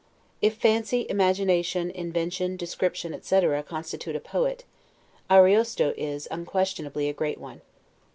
If fancy, imagination, invention, description, etc., constitute a poet, Ariosto is, unquestionably, a great one.